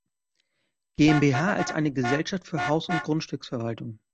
GmbH als eine Gesellschaft für Haus- und Grundstücksverwaltung.